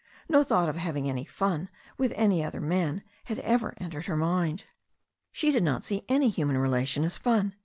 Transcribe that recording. No thought of having any fun with any other man had ever entered her mind. She did not see any human relation as fun.